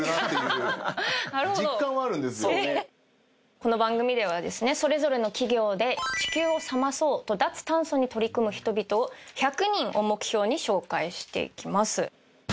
この番組ではですねそれぞれの企業で地球を冷まそうと脱炭素に取り組む人々を１００人を目標に紹介していきます。